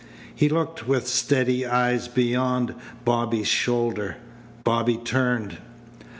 He looked with steady eyes beyond Bobby's shoulder. Bobby turned.